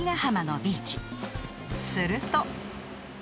［すると］